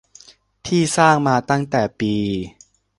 ที่สร้างมาตั้งแต่ปี